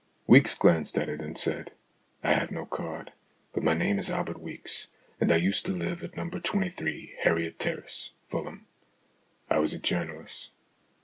Weeks glanced at it and said :" I have no card, but my name is Albert Weeks, and I used to live at No. 23 Harriet Terrace, Fulham. I was a journalist.